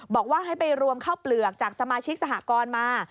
บอกว่าให้ไปรวมข้าวเปลือกจากสมาชิกสหกรมา